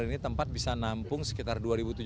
ini tempat bisa nampung sekitar dua tujuh ratus